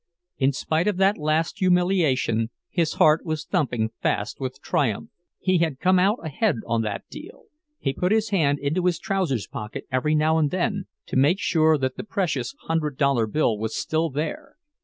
In spite of that last humiliation, his heart was thumping fast with triumph. He had come out ahead on that deal! He put his hand into his trousers' pocket every now and then, to make sure that the precious hundred dollar bill was still there.